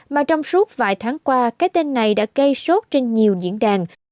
mà trong suốt vài tháng qua cái tên này đã gây sốt trên nhiều diễn đàn